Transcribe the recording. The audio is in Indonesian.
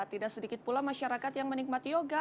tidak sedikit pula masyarakat yang menikmati yoga